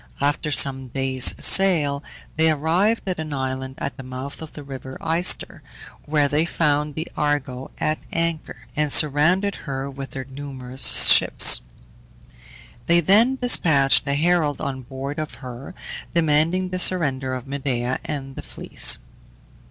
After some days' sail they arrived at an island at the mouth of the river Ister, where they found the Argo at anchor, and surrounded her with their numerous ships. They then despatched a herald on board of her, demanding the surrender of Medea and the Fleece.